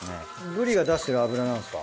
ブリが出してる脂なんすか？